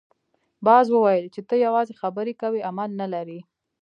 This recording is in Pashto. باز وویل چې ته یوازې خبرې کوې عمل نه لرې.